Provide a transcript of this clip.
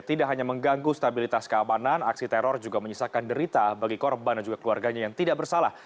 tidak hanya mengganggu stabilitas keamanan aksi teror juga menyisakan derita bagi korban dan juga keluarganya yang tidak bersalah